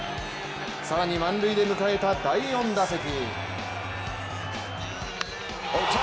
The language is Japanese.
更に満塁で迎えた第４打席。